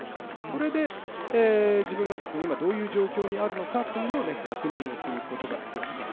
それで、自分が今どういう状況にあるのかということを確認することが出来ます。